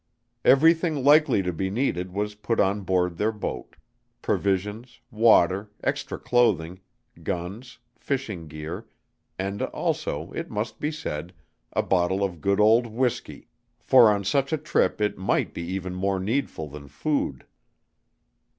Everything likely to be needed was put on board their boat; provisions, water, extra clothing, guns, fishing gear, and also, it must be said, a bottle of good old whiskey, for on such a trip it might be even more needful than food.